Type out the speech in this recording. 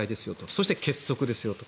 そして、結束ですよと。